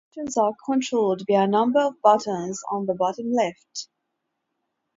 Actions are controlled via a number of buttons on the bottom left.